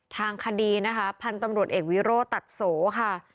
ทางคดีนะคะพันธุ์ตำรวจเอกวิโรตัดโสค่ะ